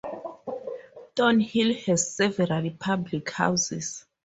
Thornhill has several public houses.